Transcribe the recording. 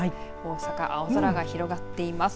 大阪、青空が広がっています。